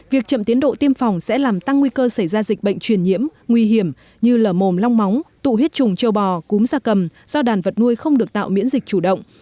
việc chậm tiến độ tiêm phòng sẽ làm tăng nguy cơ xảy ra dịch bệnh truyền nhiễm nguy hiểm như lở mồm long móng tụ huyết trùng châu bò cúm gia cầm do đàn vật nuôi không được tạo miễn dịch chủ động